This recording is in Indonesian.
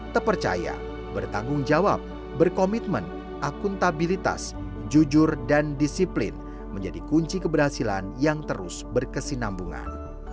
terpercaya bertanggung jawab berkomitmen akuntabilitas jujur dan disiplin menjadi kunci keberhasilan yang terus berkesinambungan